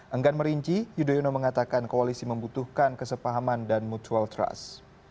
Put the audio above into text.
enggan merinci yudhoyono mengatakan koalisi membutuhkan kesepahaman dan mutual trust